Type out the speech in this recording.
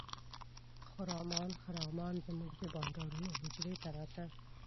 خرامان خرامان زموږ د بانډارونو حجرې ته راته.